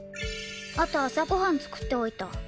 あと朝ご飯作っておいた。